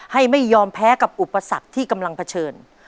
ให้ไม่ยอมแพ้กับอุปสรรคที่กำลังเผชิญ